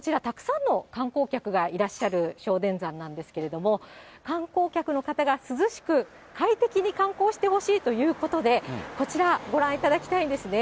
こちらたくさんの観光客がいらっしゃるしょうでんざんなんですけれども、観光客の方が涼しく快適に観光してほしいということで、こちら、ご覧いただきたいんですね。